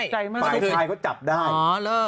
ไปทุกท่าแก็จับได้